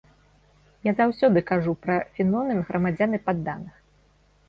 Я заўсёды кажу пра феномен грамадзян і падданых.